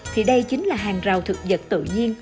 thì đây chính là hàng rào thực vật tự nhiên